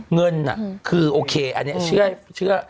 เงินคือโอเคอันนี้เชื่อ